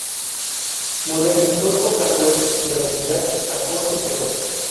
Modernizó el portal web de la Entidad a costo cero.